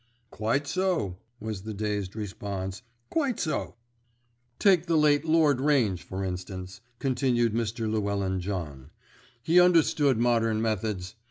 "Quite so," was the dazed response, "quite so." "Take the late Lord Range, for instance," continued Mr. Llewellyn John. "He understood modern methods.